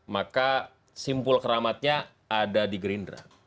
maka simpul keramatnya ada di gerindra